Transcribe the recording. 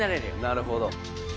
「なるほど」